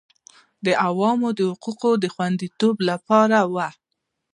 د عوامو د حقوقو د خوندیتوب لپاره وه